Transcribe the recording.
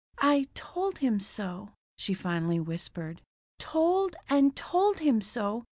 "I told him so," she finally whispered. "Told and told him so.